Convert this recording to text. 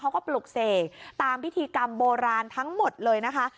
ปลุกเสกตามพิธีกรรมโบราณทั้งหมดเลยนะคะ